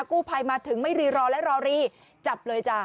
กู้ภัยมาถึงไม่รีรอและรอรีจับเลยจ้ะ